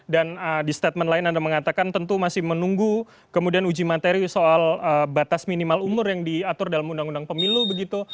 dan di statement lain anda mengatakan tentu masih menunggu kemudian uji materi soal batas minimal umur yang diatur dalam undang undang pemilu begitu